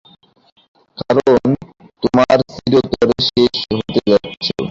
কারণ তোমরা চিরতরে শেষ হতে যাচ্ছ।